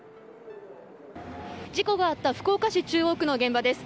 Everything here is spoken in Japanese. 事故があった福岡市中央区の現場です。